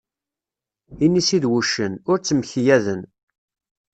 Inisi d wuccen, ur ttemkeyyaden.